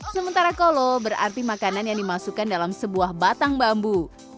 sementara kolo berarti makanan yang dimasukkan dalam sebuah batang bambu